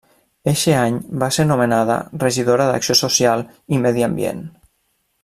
Eixe any va ser nomenada regidora d'Acció Social i Medi Ambient.